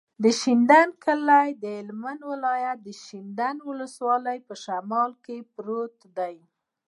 د شینډنډ کلی د هلمند ولایت، شینډنډ ولسوالي په شمال کې پروت دی.